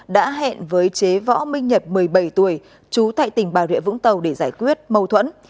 đã hẹn với chế võ minh nhật một mươi bảy tuổi trú tại tỉnh bà rịa vũng tàu để giải quyết mâu thuẫn